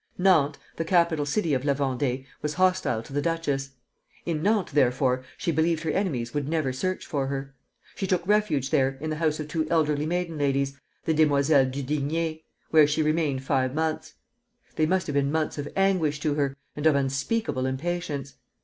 Nantes, the capital city of La Vendée, was hostile to the duchess; in Nantes, therefore, she believed her enemies would never search for her. She took refuge there in the house of two elderly maiden ladies, the Demoiselles Duguigney, where she remained five months. They must have been months of anguish to her, and of unspeakable impatience.